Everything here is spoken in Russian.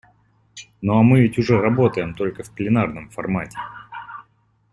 Ну а мы ведь уже работаем только в пленарном формате.